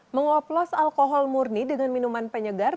mengoplos alkohol murni dengan minuman penyegar